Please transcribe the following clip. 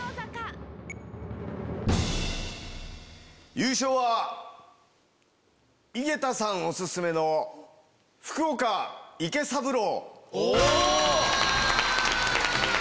優勝は井桁さんオススメの福岡池三郎。